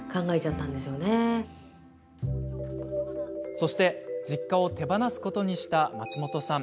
そして、実家を手放すことにした松本さん。